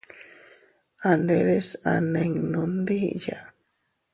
A nderes a ninnu ndiya.